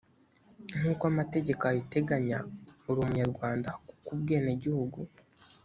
nk uko amategeko abiteganya uri umunyarwanda kuko ubwenegihugu